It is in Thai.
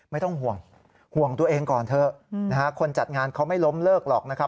ไม่ต้องห่วงห่วงตัวเองก่อนเถอะนะฮะคนจัดงานเขาไม่ล้มเลิกหรอกนะครับ